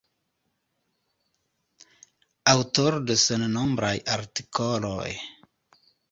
Aŭtoro de sennombraj artikoloj.